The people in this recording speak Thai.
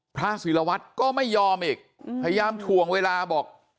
พระศิลวัตรก็ไม่ยอมอีกพยายามถ่วงเวลาบอก